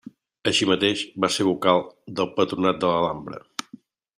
Així mateix, va ser vocal del patronat de l'Alhambra.